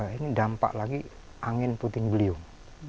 ini dampak lagi angin puting beliung